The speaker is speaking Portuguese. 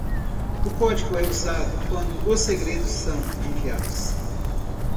O código é usado quando os segredos são enviados.